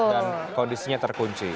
dan kondisinya terkunci